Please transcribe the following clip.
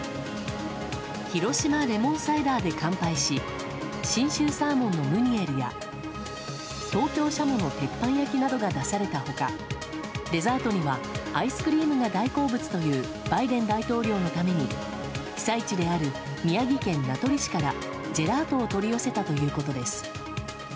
広島レモンサイダーで乾杯し信州サーモンのムニエルや東京シャモの鉄板焼きなどが出された他デザートにはアイスクリームが大好物というバイデン大統領のために被災地である宮城県名取市からジェラートを取り寄せたということです。